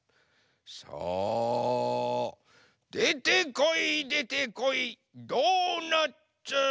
さあでてこいでてこいドーナツ！